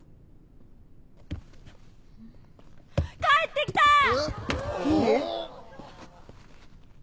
帰って来た！